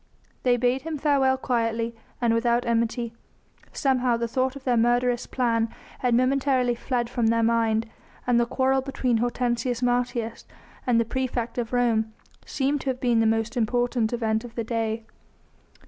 They bade him farewell quietly and without enmity; somehow the thought of their murderous plan had momentarily fled from their mind, and the quarrel between Hortensius Martius and the praefect of Rome seemed to have been the most important event of the day.